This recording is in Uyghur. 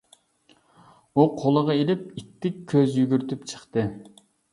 ئۇ قولىغا ئېلىپ ئىتتىك كۆز يۈگۈرتۈپ چىقتى.